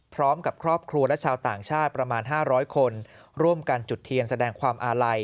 พร้อมกับครอบครัวและชาวต่างชาติประมาณ๕๐๐คนร่วมกันจุดเทียนแสดงความอาลัย